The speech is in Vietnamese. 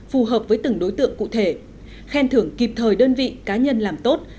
phù hợp với từng đối tượng cụ thể khen thưởng kịp thời đơn vị cá nhân làm tốt